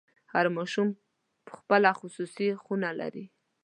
هر ماشوم خپله خصوصي خونه لري.